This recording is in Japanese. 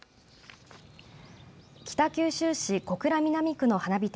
北九州市小倉南区の花火店